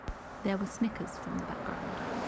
There were snickers from the background.